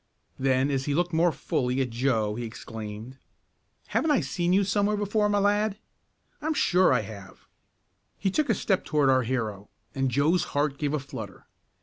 Then, as he looked more fully at Joe he exclaimed: "Haven't I seen you somewhere before, my lad? I'm sure I have!" He took a step toward our hero, and Joe's heart gave a flutter.